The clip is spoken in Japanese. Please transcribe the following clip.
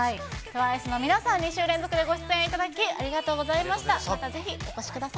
ＴＷＩＣＥの皆さん、２週連続でご出演いただき、ありがとうございました。